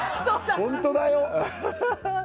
本当だよ？